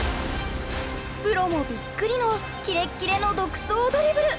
プロもびっくりのキレッキレの独走ドリブル。